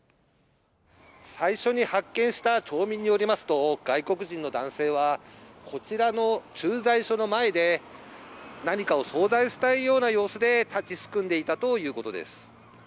最初に発見した町民によりますと、外国人の男性は、こちらの駐在所の前で、何かを相談したいような様子で立ちすくんでいたということです。